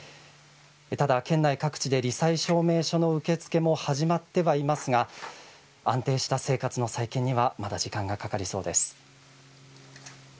ただ、県内各地で、り災証明書の受け付けも始まってはいますが、安定した生活の再建にはまだ時間がかかりそうです。